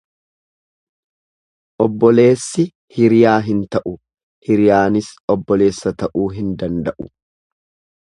Obboleessi hiriyaa hin ta'u, hiriyaanis obboleessa ta'uu hin danda'u.